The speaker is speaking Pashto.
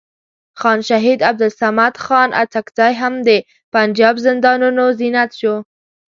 خان شهید عبدالصمد خان اڅکزی هم د پنجاب زندانونو زینت شو.